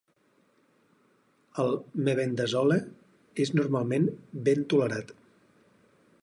El mebendazole és normalment ben tolerat.